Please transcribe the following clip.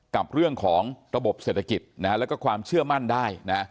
กับเรื่องของระบบเศรษฐกิจแล้วก็ความเชื่อมั่นได้นะ